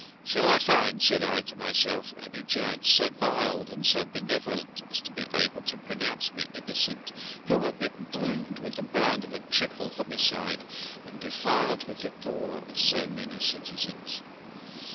Shall I find, said I to myself, any judge so mild and so benevolent, as to be able to pronounce me innocent, who am imbrued with the blood of a triple homicide, and defiled with the gore of so many citizens?